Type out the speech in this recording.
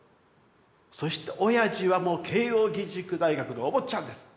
そしておやじはもう慶應義塾大学のお坊ちゃんです！